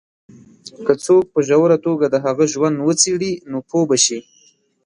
که څوک په ژوره توګه د هغه ژوند وڅېـړي، نو پوه به شي.